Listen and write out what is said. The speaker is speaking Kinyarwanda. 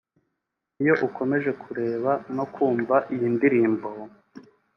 Iyo ukomeje kureba no kumva iyi ndirimbo